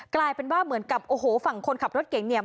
กลายเป็นว่าเหมือนกับโอ้โหฝั่งคนขับรถเก่งเนี่ย